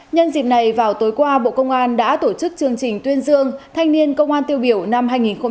nhân dịp này vào tối qua bộ công an đã tổ chức chương trình tuyên dương thanh niên công an tiêu biểu năm hai nghìn hai mươi ba